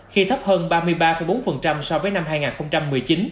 khi thấp hơn ba mươi ba bốn so với năm hai nghìn một mươi chín